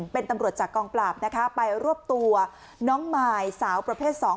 เป็นตำรวจจากกองปราบนะคะไปรวบตัวน้องมายสาวประเภทสอง